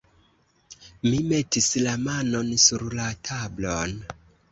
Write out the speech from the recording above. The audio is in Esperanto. Mi metis la manon sur la tablon.